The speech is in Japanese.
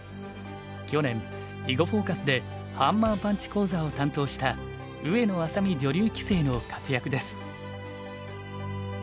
去年「囲碁フォーカス」でハンマーパンチ講座を担当した上野愛咲美女流棋聖の活躍です。